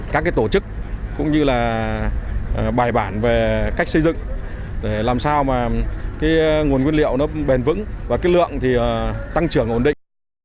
các tổ chức cũng như bài bản về cách xây dựng để làm sao nguồn nguyên liệu bền vững và lượng tăng trưởng ổn định